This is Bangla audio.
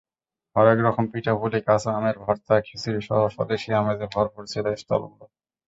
হরেক রকম পিঠা-পুলি, কাঁচা আমের ভর্তা, খিচুড়িসহ স্বদেশি আমেজে ভরপুর ছিল স্টলগুলো।